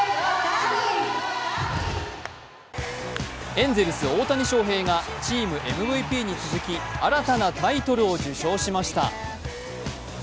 エンゼルス・大谷翔平がチームＭＶＰに続き新たなタイトルを受賞しました。